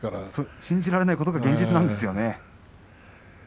信じられないことが現実なんですよね。